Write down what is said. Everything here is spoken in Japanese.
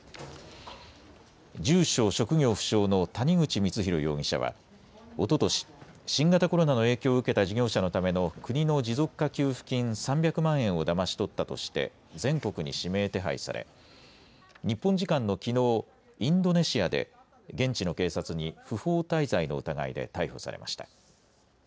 住所、職業不詳の谷口光弘容疑者はおととし新型コロナの影響を受けた事業者のための国の持続化給付金３００万円をだまし取ったとして全国に指名手配され日本時間のきのうインドネシアで現地の警察に不法滞在の疑いで逮捕されました。